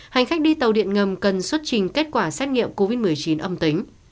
hành khách đi tàu điện ngầm cần xuất trình kết quả xét nghiệm covid một mươi chín âm tính